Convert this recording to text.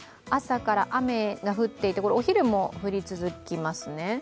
朝から雨が降っていてお昼も降り続きますね。